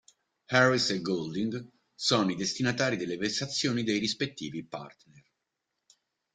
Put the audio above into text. Harris e Goulding sono i destinatari delle vessazioni dei rispettivi partner.